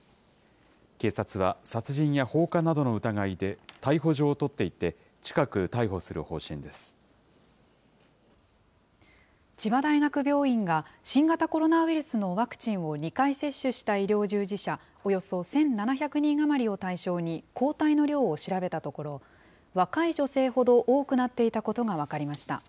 警察は、殺人や放火などの疑いで逮捕状を取っていて、近く逮捕する方針で千葉大学病院が、新型コロナウイルスのワクチンを２回接種した医療従事者およそ１７００人余りを対象に、抗体の量を調べたところ、若い女性ほど多くなっていたことが分かりました。